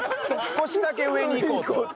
少しだけ上にいこうと。